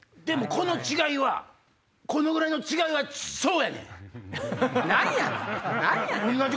でもこの違いはこのぐらいの違いはそうやねん！